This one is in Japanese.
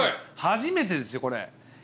初めてですよこれ。